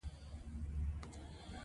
د جرم انګېزه راکمه شي.